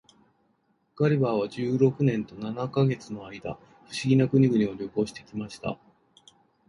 ガリバーは十六年と七ヵ月の間、不思議な国々を旅行して来ました。